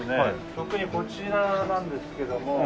特にこちらなんですけども。